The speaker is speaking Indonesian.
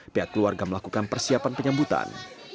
pihak keluarga melakukan persiapan penyambutan